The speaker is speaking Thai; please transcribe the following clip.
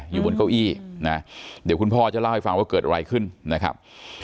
อยู่บนเก้าอี้นะเดี๋ยวคุณพ่อจะเล่าให้ฟังว่าเกิดอะไรขึ้นนะครับ